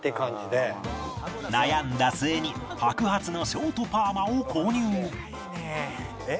悩んだ末に白髪のショートパーマを購入